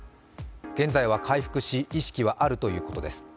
現在は回復し、意識はあるということです。